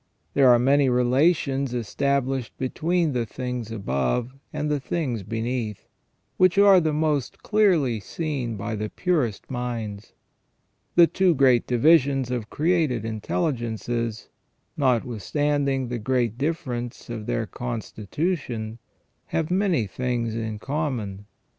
There are many relations established between the things above and the things beneath, which are the most clearly seen by the purest minds. The two great divisions of created intelligences, notwithstanding the great difference of their constitution, have many things in common.